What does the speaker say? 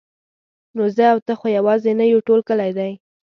نو زه او ته خو یوازې نه یو ټول کلی دی.